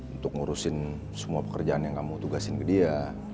untuk ngurusin semua pekerjaan yang kamu tugasin ke dia